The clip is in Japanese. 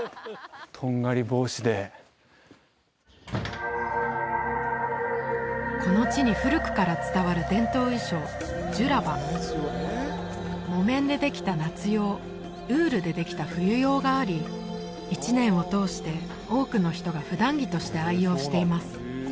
とんがり帽子でこの地に古くから伝わる伝統衣装ジュラバ木綿でできた夏用ウールでできた冬用があり一年を通して多くの人が普段着として愛用しています